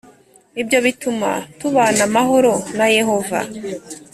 Ibyo bituma tubana amahoro na Yehova